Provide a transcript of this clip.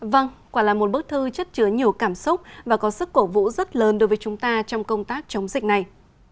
vâng quả là một bức thư chất chứa nhiều cảm xúc và có sức cổ vũ rất lớn đối với chúng ta trong công tác chống dịch này